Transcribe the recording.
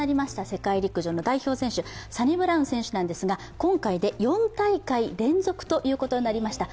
世界陸上の代表選手、サニブラウン選手なんですが今回で４大会連続となりました。